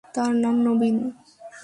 তার নাম নবীন।